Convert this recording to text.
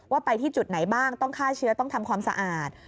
ไปที่จุดไหนบ้างต้องฆ่าเชื้อต้องทำความสะอาด